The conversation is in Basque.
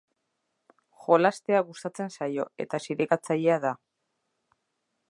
Jolastea gustatzen zaio, eta zirikatzailea da.